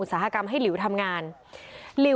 ในอำเภอศรีมหาโพธิ์จังหวัดปลาจีนบุรี